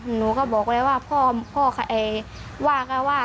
หนูก็บอกเลยว่าพ่อว่าก็ว่า